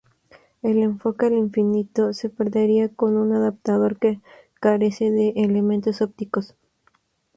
El enfoque al infinito se perdería con un adaptador que carece de elementos ópticos.